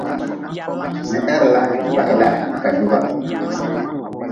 Ni heri la ni ba he la ni ka juba.